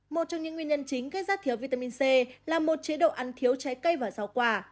một trong những nguyên nhân chính gây ra thiếu vitamin c là một chế độ ăn thiếu trái cây và rau quả